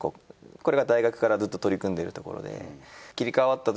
これは大学からずっと取り組んでるところで。